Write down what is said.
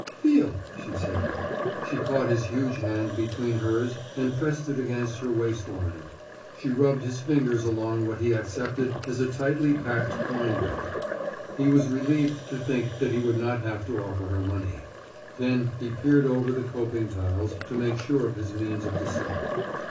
"Feel!" she said. She caught his huge hand between hers and pressed it against her waist line. She rubbed his fingers along what he accepted as a tightly packed coin belt. He was relieved to think that he would not have to offer her money. Then he peered over the coping tiles to make sure of his means of descent.